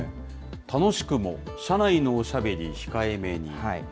楽しくも、車内のおしゃべり控えめに。